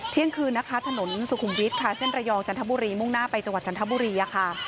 เที่ยงคืนนะคะถนนสุขุมวิทย์ค่ะเส้นระยองจันทบุรีมุ่งหน้าไปจังหวัดจันทบุรีค่ะ